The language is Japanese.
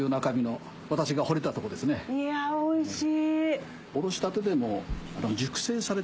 いやおいしい！